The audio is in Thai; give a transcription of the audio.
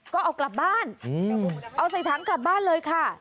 ก็เอากลับบ้านเอาใส่ถังกลับบ้านเลยค่ะ